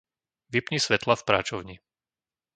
Vypni svetlá v práčovni.